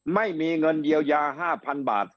ไม่มีเงินเยียวยา๕๐๐๐บาท